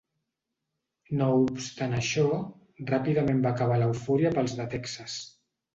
No obstant això, ràpidament va acabar l'eufòria pels de Texas.